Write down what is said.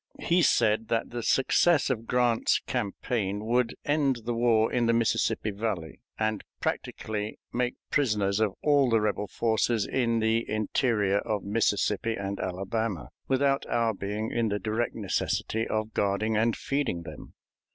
He said that the success of Grant's campaign would end the war in the Mississippi Valley, and practically make prisoners of all the rebel forces in the interior of Mississippi and Alabama, without our being at the direct necessity of guarding and feeding them.